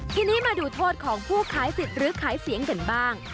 ทีนี้มาดูโทษของผู้ขายสิทธิ์หรือขายเสียงกันบ้าง